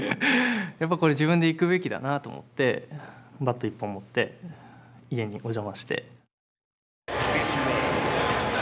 やっぱこれ自分で行くべきだなと思ってバット１本持って家にお邪魔して。